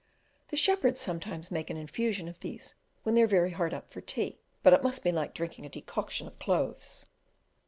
The shepherds sometimes make an infusion of these when they are very hard up for tea; but it must be like drinking a decoction of cloves.